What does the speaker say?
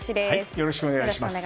よろしくお願いします。